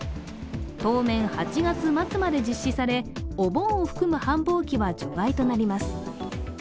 当面８月末まで実施され、お盆を含む繁忙期は除外となります。